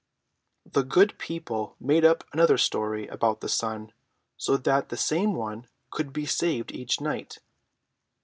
] "The good people made up another story about the sun, so that the same one could be saved each night.